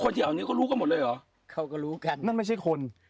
ที่เอานี้ก็รู้กันหมดเลยเหรอเขาก็รู้กันนั่นไม่ใช่คน